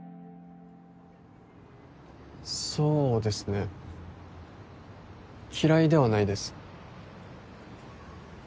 そうですね嫌いではないです